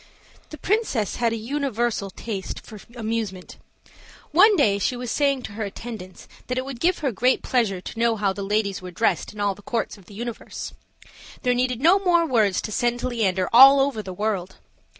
The princess had a universal taste for amusement. One day, she was saying to her attend ants that it would give her great pleasure to know how the ladies were dressed in all the courts of the universe. There needed no more words to send Leander all over the world.